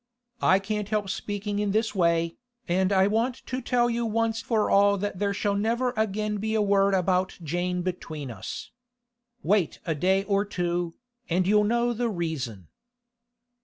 I can't help speaking in this way, and I want to tell you once for all that there shall never again be a word about Jane between us. Wait a day or two, and you'll know the reason.